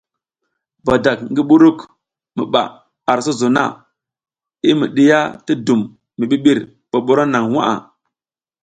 Badak ngi buruk mi ɓaʼa ar sozo na i mi ɗiya ti dum mi ɓiɓir ɓoɓoro naŋ nwa.